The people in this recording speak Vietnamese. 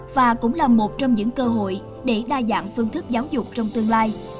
và cũng là một trong những cơ hội để đa dạng phương thức giáo dục trong tương lai